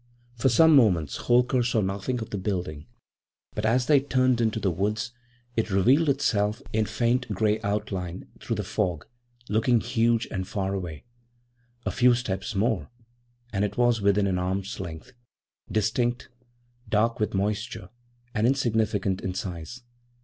For some moments Holker saw nothing of the building, but as they turned into the woods it revealed itself in faint grey outline through the fog, looking huge and far away. A few steps more, and it was within an arm's length, distinct, dark with moisture, and insignificant in size.